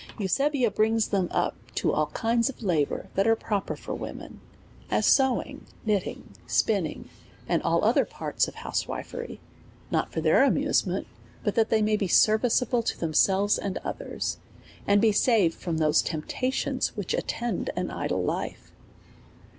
Eusebia brings them up to ail kinds of labour that are proper for women, as sewing, knitting, spinning, and all otiier parts of housewifery ; not for their amuse ment, Init that tliey may be serviceable to themselves and others, and be saved from those temptations which attend an idle life.